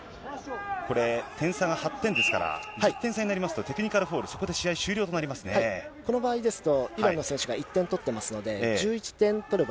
これ、点差が８点ですから、１０点差になりますと、そこでテクニカルフォール、この場合ですと、イランの選手が１点取ってますので、１１点取れば。